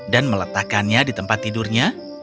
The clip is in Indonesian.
dan meletakkannya di tempat tidurnya